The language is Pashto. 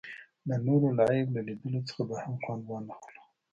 د نورو له عیب له لیدلو څخه به هم خوند وانخلو.